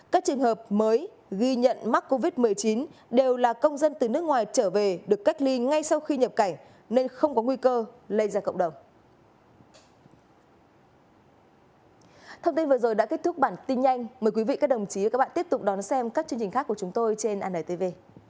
các bản tin vừa rồi đã kết thúc bản tin nhanh mời quý vị các đồng chí và các bạn tiếp tục đón xem các chương trình khác của chúng tôi trên anntv